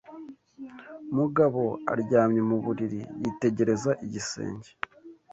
Mugabo aryamye mu buriri yitegereza igisenge.